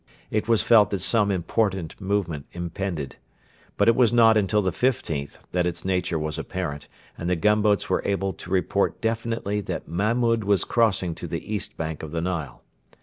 It was felt that some important movement impended. But it was not until the 15th that its nature was apparent, and the gunboats were able to report definitely that Mahmud was crossing to the east bank of the Nile.